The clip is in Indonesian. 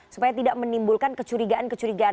supaya tidak menimbulkan kecurigaan kecurigaan